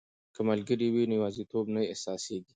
که ملګري وي نو یوازیتوب نه احساسیږي.